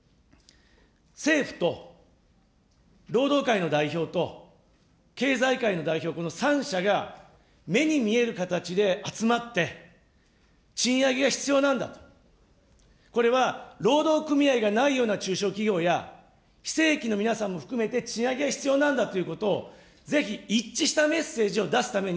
政府と労働界の代表と経済界の代表、この３者が目に見える形で集まって、賃上げが必要なんだと、これは労働組合がないような中小企業や非正規の皆さんも含めて、賃上げが必要なんだということを、ぜひ一致したメッセージを出すために、